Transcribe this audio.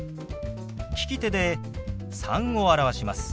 利き手で「３」を表します。